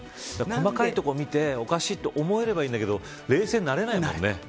細かいところ見ておかしいと思えればいいけど冷静になれないものね。